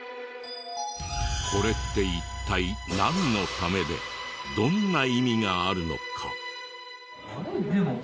これって一体なんのためでどんな意味があるのか？